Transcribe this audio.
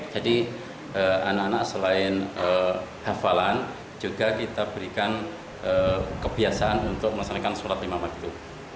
jadi anak anak selain hafalan juga kita berikan kebiasaan untuk melaksanakan sholat imamah itu